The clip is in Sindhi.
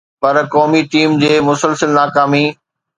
پر قومي ٽيم جي مسلسل ناڪامي